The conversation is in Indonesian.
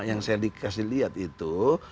yang saya dikasih lihat itu